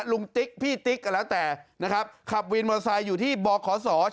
ติ๊กพี่ติ๊กก็แล้วแต่นะครับขับวินมอเตอร์ไซค์อยู่ที่บขศ